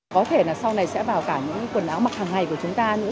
có thể là sau này sẽ vào cả những quần áo mặc hàng ngày của chúng ta nữa